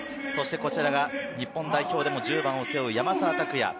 こちらは日本代表でも１０番を背負う山沢拓也。